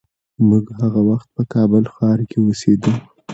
موږ هغه وخت په کابل ښار کې اوسېدو.